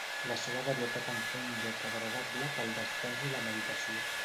La seva varietat en fa un lloc agradable pel descans i la meditació.